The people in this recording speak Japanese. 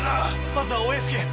まずはお屋敷へ。